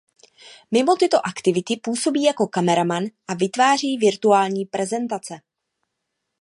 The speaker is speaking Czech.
Mimo tyto aktivity působí jako kameraman a vytváří virtuální prezentace.